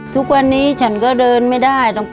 ทุกวันนี้ฉันก็เดินไม่ได้